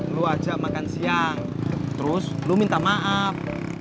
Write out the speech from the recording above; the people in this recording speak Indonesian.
lo ajak makan siang terus lo minta maaf